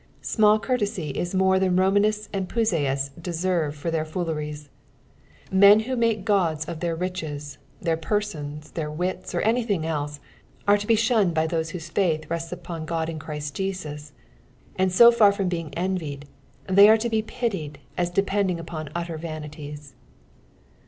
Small courtesy is more thsn Romanists and Puseyists deserve for their fooleries. Hen who make gods of their riches, their persons, their wits, or anything else, are to be shunned by those whose faith rests upon God in Christ Jesus \ and so far from b^ing envied, they are to be pitied ss depending upon utter vanities.